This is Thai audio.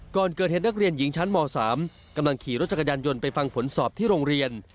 ก่อนเกิดเหตุนักเรียนหญิงชั้นม๓กำลังขี่รถจักรยานยนต์ไปฟังผลสอบที่โรงเรียน